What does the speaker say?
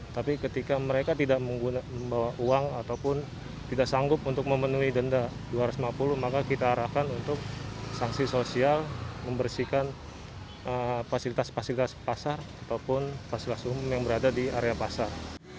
tapi ketika mereka tidak membawa uang ataupun tidak sanggup untuk memenuhi denda dua ratus lima puluh maka kita arahkan untuk sanksi sosial membersihkan fasilitas fasilitas pasar ataupun fasilitas umum yang berada di area pasar